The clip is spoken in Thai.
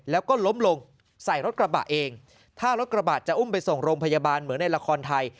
แล้วก็ล้มลงใส่รถกระบะเองถ้ารถกระบะจะอุ้มไปส่งโรงพยาบาลเหมือนในละครไทย